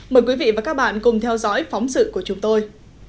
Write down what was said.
mời quý vị và các bạn cùng theo dõi phóng sự của chúng tôi